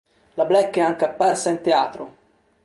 La Black è anche apparsa in teatro.